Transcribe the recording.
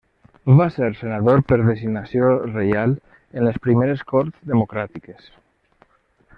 Va ser senador per designació reial en les primeres corts democràtiques.